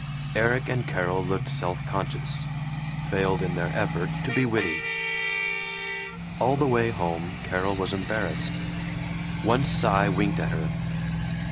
Erik and Carol looked self conscious; failed in their effort to be witty. All the way home Carol was embarrassed. Once Cy winked at her.